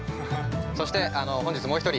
そして、本日もう一人。